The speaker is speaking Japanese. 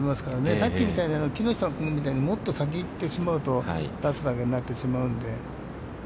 さっきみたいに、木下君みたいにもっと先に行ってしまうと、出すだけになってしまうので。